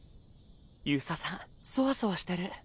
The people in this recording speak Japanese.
遊佐さんそわそわしてる。